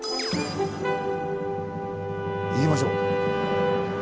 行きましょう。